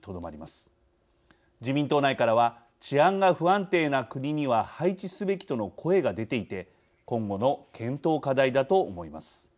自民党内からは治安が不安定な国には配置すべきとの声が出ていて今後の検討課題だと思います。